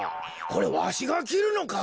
これわしがきるのか？